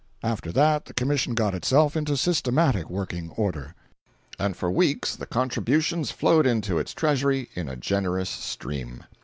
After that, the Commission got itself into systematic working order, and for weeks the contributions flowed into its treasury in a generous stream.